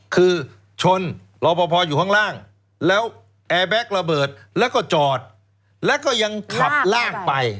คือชนรอปภอยู่ข้างล่างแล้วแอร์แบ็คระเบิดแล้วก็จอดแล้วก็ยังขับล่างไป